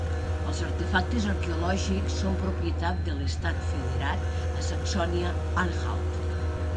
El artefactes arqueològics són propietat de l'estat federat a Saxònia-Anhalt.